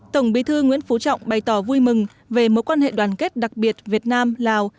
tổng bí thư nguyễn phú trọng bày tỏ vui mừng về mối quan hệ đoàn kết đặc biệt việt nam lào